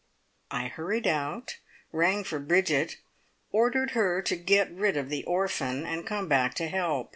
I hurried out, rang for Bridget, ordered her to get rid of the orphan, and come back to help.